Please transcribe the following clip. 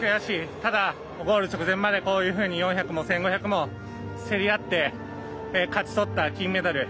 ただ、ゴール直前までこういうふうに４００メートルも１５００も競り合って勝ち取った金メダル。